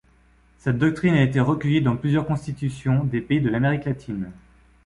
Cette doctrine a été recueillie dans plusieurs constitutions des pays de l'Amérique latine.